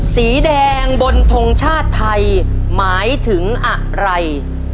สีแดงบนทงชาติไทยหมายถึงอะไร